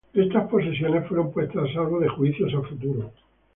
Estas posesiones fueron puestas a salvo de juicios a futuro.